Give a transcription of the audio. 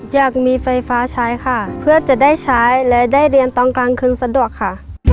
อยากมีไฟฟ้าใช้ค่ะเพื่อจะได้ใช้และได้เรียนตอนกลางคืนสะดวกค่ะ